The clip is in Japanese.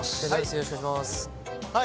よろしくお願いします